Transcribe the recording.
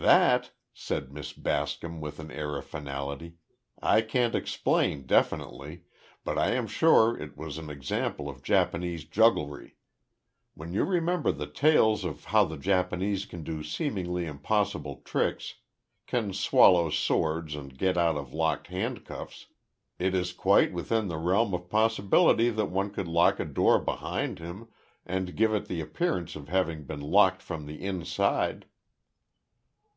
"That," said Miss Bascom, with an air of finality, "I can't explain definitely, but I am sure it was an example of Japanese jugglery. When you remember the tales of how the Japanese can do seemingly impossible tricks, can swallow swords and get out of locked handcuffs, it is quite within the realm of possibility that one could lock a door behind him, and give it the appearance of having been locked from the inside."